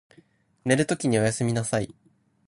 寝るときにおやすみなさい。